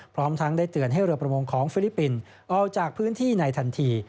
พร้อมทั้งได้เตือนให้เรือประมงของฟิลิปปินส์ออกจากพื้นที่ในทันที